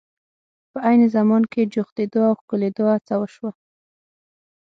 په عین زمان کې جوختېدو او ښکلېدو هڅه وشوه.